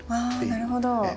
あなるほど。